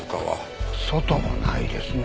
外もないですね。